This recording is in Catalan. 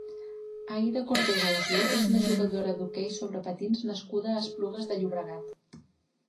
Aïda Cortés Ausió és una jugadora d'hoquei sobre patins nascuda a Esplugues de Llobregat.